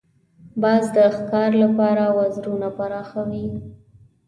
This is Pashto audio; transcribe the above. باز د ښکار لپاره وزرونه پراخوي